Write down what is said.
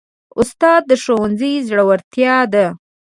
استاد د ښوونځي زړورتیا ده.